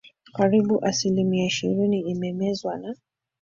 karibu asilimia ishirini imemezwa na